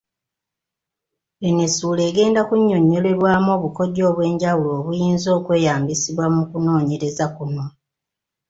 Eno essuula egenda kunnyonnyolerwamu obukodyo obw'enjawulo obuyinza okweyambisibwa mu kunoonyereza kuno.